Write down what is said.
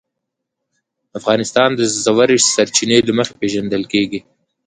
افغانستان د ژورې سرچینې له مخې پېژندل کېږي.